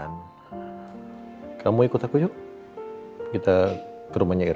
aku mau ikut sekolah di rumah